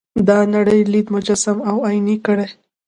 دا نړۍ لید مجسم او عیني کړي.